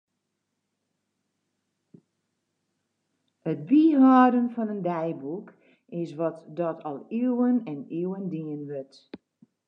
It byhâlden fan in deiboek is wat dat al iuwen en iuwen dien wurdt.